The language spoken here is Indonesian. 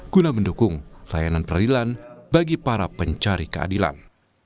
guna mendukung layanan peradilan bagi para pencari keadilan